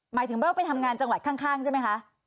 หมายถึงว่าไปทำงานจังหวัดข้างใช่ไหมคะ